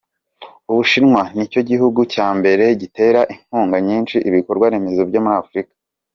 Ubushinwa ni cyo gihugu cya mbere gitera inkunga nyinshi ibikorwa-remezo byo muri Afurika.